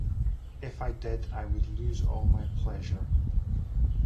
If I did, I would lose all my pleasure.